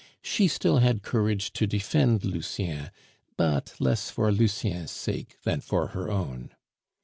She still had courage to defend Lucien, but less for Lucien's sake than for her own.